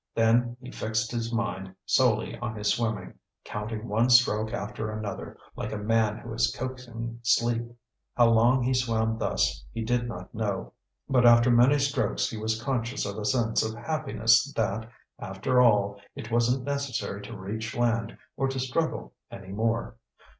Then he fixed his mind solely on his swimming, counting one stroke after another, like a man who is coaxing sleep. How long he swam thus, he did not know; but after many strokes he was conscious of a sense of happiness that, after all, it wasn't necessary to reach land or to struggle any more.